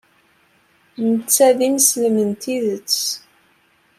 Netta d ineslem n tidet.